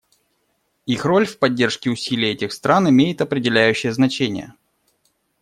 Их роль в поддержке усилий этих стран имеет определяющее значение.